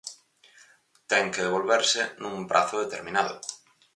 Ten que devolverse nun prazo determinado.